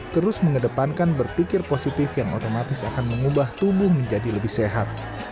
terus mengedepankan berpikir positif yang otomatis akan mengubah tubuh menjadi lebih sehat